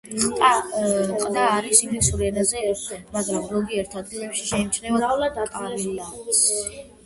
ყდა არის ინგლისურ ენაზე, მაგრამ, ზოგიერთ ადგილებში, შეიმჩნევა კირილიცა.